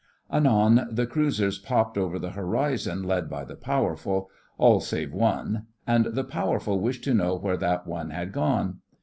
'_ Anon the cruisers popped over the horizon, led by the Powerful—all save one—and the Powerful wished to know where that one had gone.